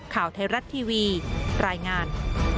ข่าวไทยรัฐทีวีรายงาน